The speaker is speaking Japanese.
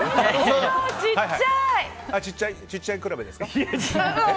ちっちゃい比べですか？